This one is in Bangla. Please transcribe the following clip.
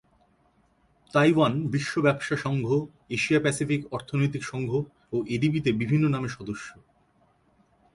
তাইওয়ান বিশ্ব ব্যবসা সংঘ, এশিয়া-প্যাসিফিক অর্থনৈতিক সংঘ ও এডিবি-তে বিভিন্ন নামে সদস্য।